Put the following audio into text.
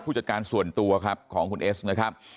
จัดการส่วนตัวครับของคุณเอสนะครับ